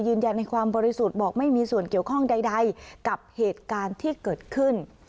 ยืนยันในความบริสุทธิ์บอกไม่มีส่วนเกี่ยวข้องใดกับเหตุการณ์ที่เกิดขึ้น